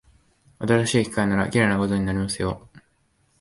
新しい機械なら、綺麗な画像になりますよ。